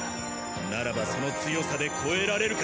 ならばその強さで超えられるか？